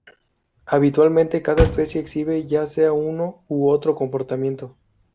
Habitualmente, cada especie exhibe ya sea uno u otro comportamiento.